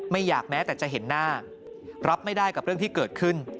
ไม่อยากแม้แต่จะเห็นหน้ารับไม่ได้กับเรื่องที่เกิดขึ้น